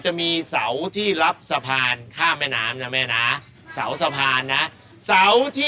เฮ้แม่รับไปเลย๑๐๐๐บาท